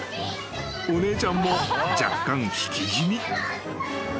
［お姉ちゃんも若干引き気味］